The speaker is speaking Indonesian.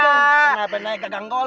kenapa naik keganggol